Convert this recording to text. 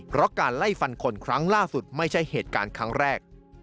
เพราะการไล่ฟันคนครั้งล่าสุดไม่ใช่เหตุการณ์ครั้งแรก